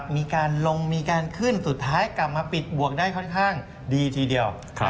มีการลงมีการขึ้นสุดท้ายกลับมาปิดบวกได้ค่อนข้างดีทีเดียว